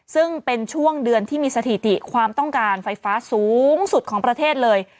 ซึ่งเป็นช่วงเดือนที่มีสถิติความต้องการไฟฟ้าสูงสุดของประเทศเลย